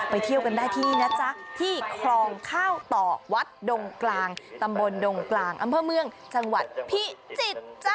เที่ยวกันได้ที่นี่นะจ๊ะที่คลองข้าวตอกวัดดงกลางตำบลดงกลางอำเภอเมืองจังหวัดพิจิตรจ้ะ